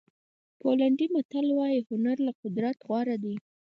پولنډي متل وایي هنر له قدرت غوره دی.